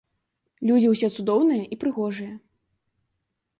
Людзі ўсе цудоўныя і прыгожыя.